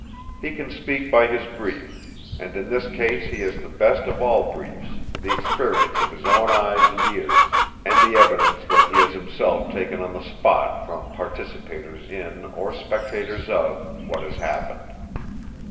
He can speak by his brief; and in this case he has the best of all briefs, the experience of his own eyes and ears, and the evidence that he has himself taken on the spot from participators in, or spectators of, what has happened.